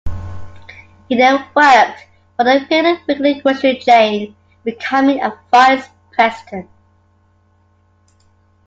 He then worked for the Piggly Wiggly grocery chain, becoming a vice president.